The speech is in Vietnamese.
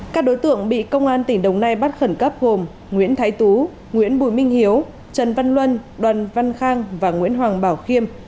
các đối tượng bị công an tỉnh đồng nai bắt khẩn cấp gồm nguyễn thái tú nguyễn bùi minh hiếu trần văn luân đoàn văn khang và nguyễn hoàng bảo khiêm